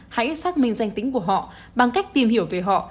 hãy xác minh danh tính của họ bằng cách tìm hiểu về họ